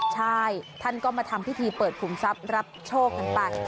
ใช่ท่านก็มาทำพิธีเปิดขุมทรัพย์รับโชคกันไป